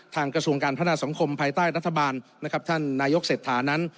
กระทรวงการพัฒนาสังคมภายใต้รัฐบาลนะครับท่านนายกเศรษฐานั้น